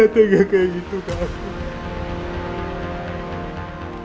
kenapa dia tengah kayak gitu kamu